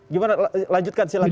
gimana lanjutkan silahkan